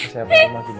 siap rumah gimana